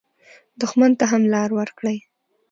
دښمن ته هم لار ورکړئ